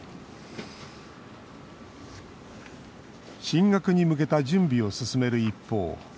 進学に向けた準備を進める一方